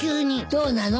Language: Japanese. どうなの？